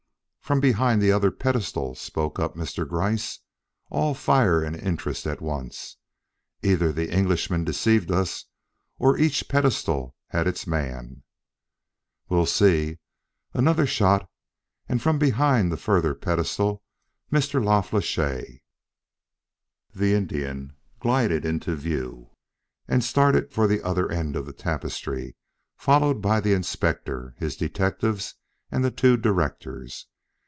"From behind the other pedestal!" spoke up Mr. Gryce, all fire and interest at once. "Either the Englishman deceived us, or each pedestal had its man." "We'll see! Another shot, and from behind the further pedestal, Mr. La Flèche!" The Indian glided into view and started for the other end of the tapestry, followed by the Inspector, his detectives and the two directors.